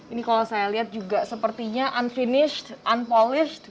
ini kalau saya lihat juga sepertinya unfinished unpolished